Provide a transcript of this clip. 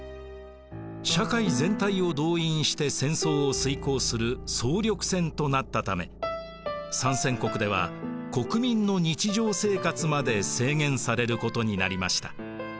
社会全体を動員して戦争を遂行する総力戦となったため参戦国では国民の日常生活まで制限されることになりました。